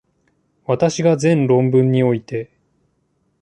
私が前論文において、